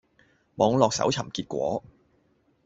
網絡搜尋結果